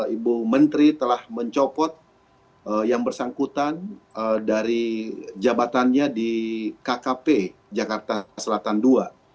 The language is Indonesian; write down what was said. ibu menteri telah mencopot yang bersangkutan dari jabatannya di kkp jakarta selatan ii